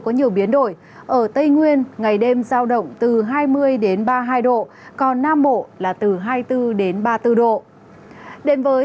có nhiều biến đổi ở tây nguyên ngày đêm giao động từ hai mươi ba mươi hai độ còn nam bộ là từ hai mươi bốn đến ba mươi bốn độ đến với